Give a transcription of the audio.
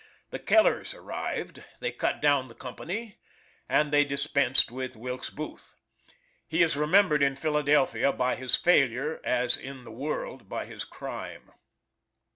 The Kellers arrived; they cut down the company, and they dispensed with Wilkes Booth. He is remembered in Philadelphia by his failure as in the world by his crime.